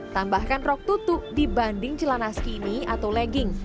tambahkan rok tutup dibanding celana skimmi atau legging